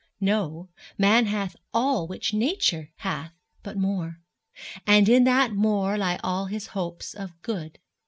Know, man hath all which Nature hath, but more, And in that more lie all his hopes of good.